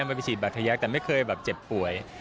มันไปฉีดบัตรทยักษ์แต่ไม่เคยแบบเจ็บป่วย